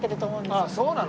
あっそうなの？